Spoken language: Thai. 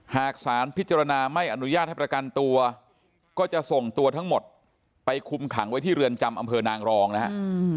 หากสารพิจารณาไม่อนุญาตให้ประกันตัวก็จะส่งตัวทั้งหมดไปคุมขังไว้ที่เรือนจำอำเภอนางรองนะครับ